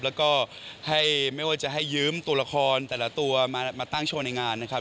แล้วก็ให้ไม่ว่าจะให้ยืมตัวละครแต่ละตัวมาตั้งโชว์ในงานนะครับ